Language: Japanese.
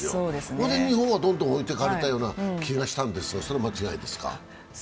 それで日本はどんどん置いてかれたような気がしたんですがそれは間違いですか？